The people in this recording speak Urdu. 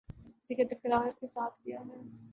ذکر تکرار کے ساتھ کیا ہے